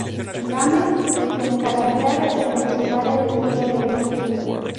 Gámez se encargaría de perfeccionar el estilo del grupo.